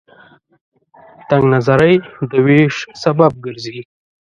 تنگ نظرۍ د وېش سبب ګرځي.